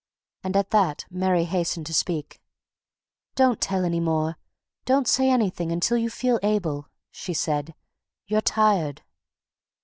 And at that Mary hastened to speak. "Don't tell any more don't say anything until you feel able," she said. "You're tired."